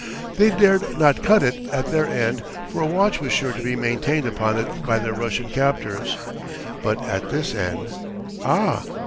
They dared not cut it at their end, for a watch was sure to be maintained upon it by their Russian captors; but at this end, ah!